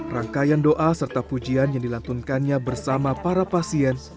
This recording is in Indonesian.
rangkaian doa serta pujian yang dilantunkannya bersama para pasien